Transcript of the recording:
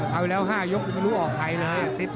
เข้าไปแล้ว๕ยกไม่รู้ออกใครนะ